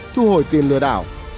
thu hồi tiền lừa đảo